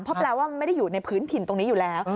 เพราะแปลว่าไม่ได้อยู่ในพื้นถิ่นตรงนี้อยู่แล้ว